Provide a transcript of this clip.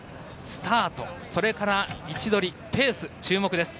スタート、それから位置取りペース、注目です。